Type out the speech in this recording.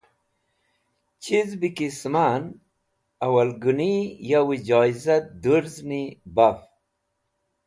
Chiz bẽ ki sẽman awalgũni yo joyiza durzẽni baf.